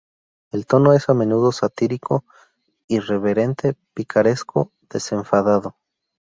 El tono es a menudo satírico, irreverente, picaresco, desenfadado.